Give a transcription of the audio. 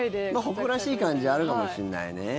誇らしい感じはあるかもしれないね。